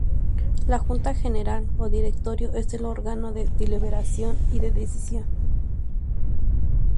La junta general o directorio es el órgano de deliberación y de decisión.